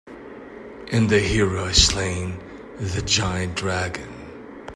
And the hero has slain the giant dragon.